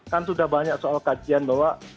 kan sudah banyak soal kajian bahwa